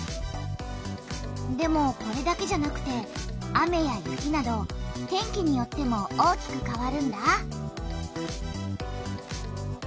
でもこれだけじゃなくて雨や雪など天気によっても大きくかわるんだ。